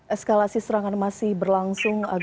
eskalasi serangan masih berlangsung